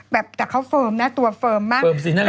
แบบแต่เขาเฟิร์มนะตัวเฟิร์มมาก